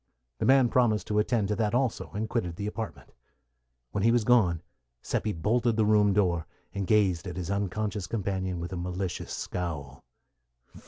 The man promised to attend to that also, and quitted the apartment. When he was gone, Seppi bolted the room door, and gazed at his unconscious companion with a malicious scowl.